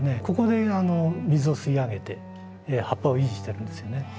ここで水を吸い上げて葉っぱを維持してるんですよね。